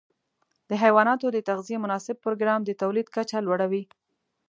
د حيواناتو د تغذیې مناسب پروګرام د تولید کچه لوړه وي.